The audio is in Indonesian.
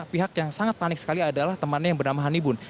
pihak yang sangat panik sekali adalah temannya yang bernama hanibun